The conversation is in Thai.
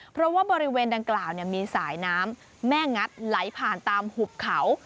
เพราะว่าบริเวณดังกล่าวมีสายน้ำแม่งัดไหลผ่านตามหุบเขา